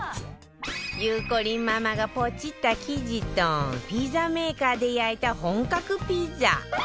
ゆうこりんママがポチった生地とピザメーカーで焼いた本格ピザ